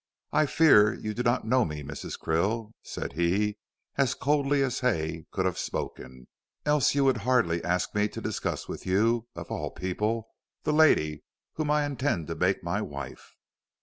"I fear you do not know me, Mrs. Krill," said he as coldly as Hay could have spoken, "else you would hardly ask me to discuss with you, of all people, the lady whom I intend to make my wife."